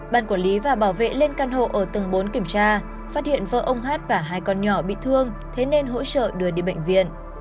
ban quản lý và bảo vệ lên căn hộ ở tầng bốn kiểm tra phát hiện vợ ông hát và hai con nhỏ bị thương thế nên hỗ trợ đưa đi bệnh viện